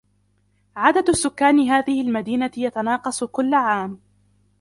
عدد سكان هذه المدينة يتناقص كل عام.